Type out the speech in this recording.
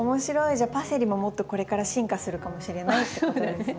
じゃあパセリももっとこれから進化するかもしれないってことですね。